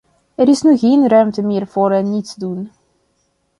Er is nu geen ruimte meer voor nietsdoen.